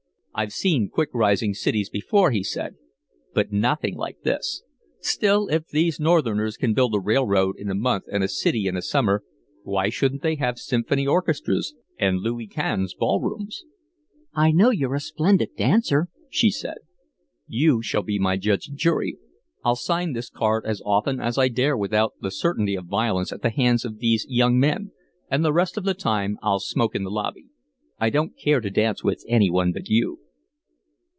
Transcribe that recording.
"I've seen quick rising cities before," he said, "but nothing like this. Still, if these Northerners can build a railroad in a month and a city in a summer, why shouldn't they have symphony orchestras and Louis Quinze ballrooms?" "I know you're a splendid dancer," she said. "You shall be my judge and jury. I'll sign this card as often as I dare without the certainty of violence at the hands of these young men, and the rest of the time I'll smoke in the lobby. I don't care to dance with any one but you."